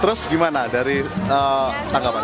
terus gimana dari tanggapan